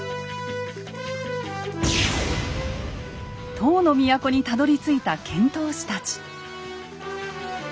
唐の都にたどりついた遣唐使たち。